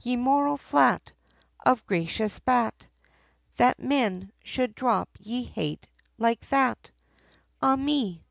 Ye moral flat, Of gracious bat, That men, should drop ye hate, like that Ah! me.